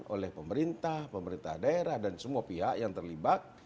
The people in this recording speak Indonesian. oleh pemerintah pemerintah daerah dan semua pihak yang terlibat